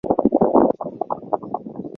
在合肥市庐阳区三国遗址公园举行。